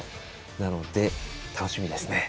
なので、楽しみですね。